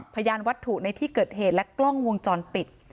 พยานวัตถุในที่เกิดเหตุและกล้องวงจรปิด